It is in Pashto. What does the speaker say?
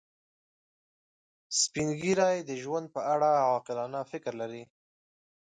سپین ږیری د ژوند په اړه عاقلانه فکر لري